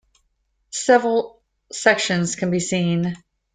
Several sections can be seen.